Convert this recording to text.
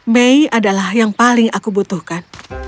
mei adalah yang paling aku butuhkan